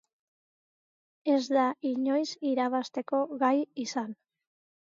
Ez da inoiz irabazteko gai izan.